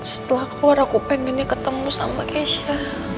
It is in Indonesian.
setelah keluar aku pengen nih ketemu sama kesya